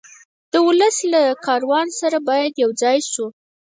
د ولس له کاروان سره باید یو ځای شو.